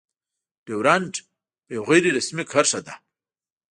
ډيورنډ يو غير رسمي کرښه ده.